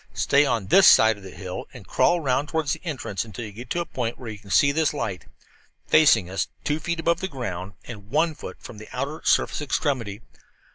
Stay on this side of the hill and crawl around toward the entrance until you get to a point where you can place this light, facing us, two feet above the ground and one foot in from the outer surface extremity.